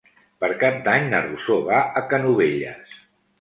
Per Cap d'Any na Rosó va a Canovelles.